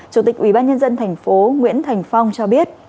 chủ tịch ubnd tp nguyễn thành phong cho biết